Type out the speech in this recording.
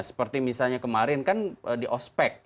seperti misalnya kemarin kan di ospek